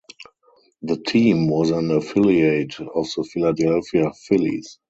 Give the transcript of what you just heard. The team was an affiliate of the Philadelphia Phillies.